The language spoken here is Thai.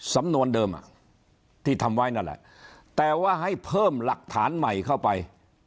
สำนวนเดิมที่ทำไว้นั่นแหละแต่ว่าให้เพิ่มหลักฐานใหม่เข้าไป